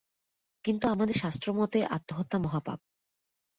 কিন্তু আমাদের শাস্ত্রমতে আত্মহত্যা মহাপাপ।